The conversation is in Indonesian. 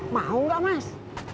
mau gak mas